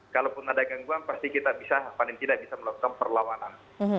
kalau pun ada gangguan pasti kita bisa atau tidak bisa melakukan perlawanan